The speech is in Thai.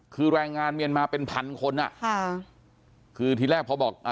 คือแรงงานเมียนมาเป็นพันคนอ่ะค่ะคือทีแรกพอบอกอ่า